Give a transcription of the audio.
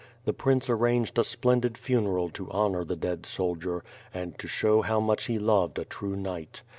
The prince arranged a splendid funeral to honor the dead soldier, and to show how much he loved a true knight.